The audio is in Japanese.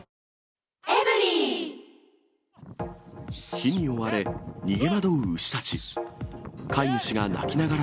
火に追われ、逃げ惑う牛たち。